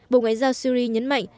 bộ ngoại giao syri nhấn mạnh